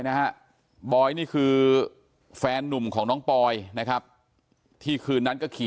นะฮะบอยนี่คือแฟนนุ่มของน้องปอยนะครับที่คืนนั้นก็ขี่